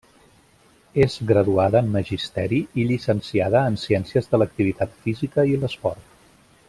És graduada en Magisteri i llicenciada en Ciències de l'Activitat Física i l'Esport.